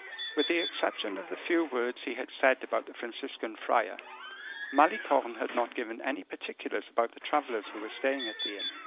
With the exception of the few words he had said about the Franciscan friar, Malicorne had not given any particulars about the travelers who were staying in the inn.